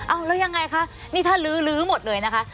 เอาแล้วยังไงคะนี่ถ้าลื้อลื้อหมดเลยนะคะ